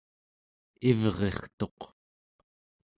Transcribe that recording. ivrirtuq